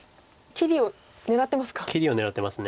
切りを狙ってます。